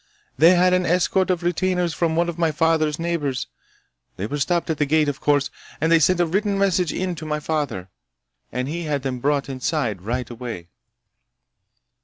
They had an escort of retainers from one of my father's neighbors. They were stopped at the gate, of course, and they sent a written message in to my father, and he had them brought inside right away!"